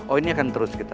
oh ini akan terus kita